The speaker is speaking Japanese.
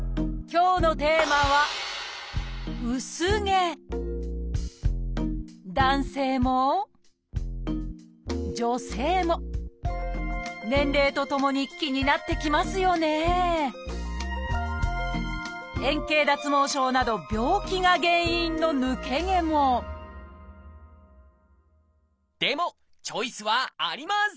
今日のテーマは男性も女性も年齢とともに気になってきますよね？など病気が原因の抜け毛もでもチョイスはあります！